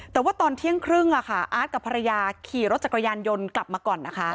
แต่ว่าตอนเที่ยงครึ่งอาร์ตกับภรรยาขี่รถจักรยานยนต์กลับมาก่อนนะคะ